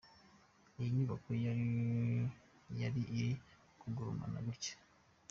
Iyi nyubako yari iri kugurumana gutya.